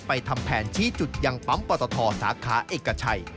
ทำแผนชี้จุดยังปั๊มปตทสาขาเอกชัย